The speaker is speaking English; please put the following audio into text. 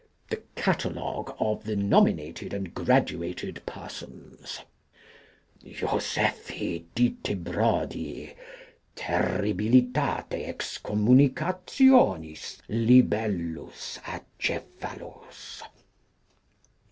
The Catalogue of the Nominated and Graduated Persons. Jo. Dytebrodii, terribilitate excommunicationis libellus acephalos.